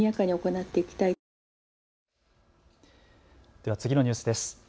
では次のニュースです。